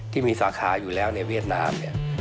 ที่มีสาขาอยู่แล้วในเวียดนามเนี่ย